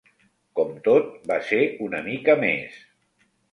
Com tot, va ser una mica més.